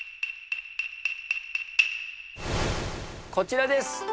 こちらです。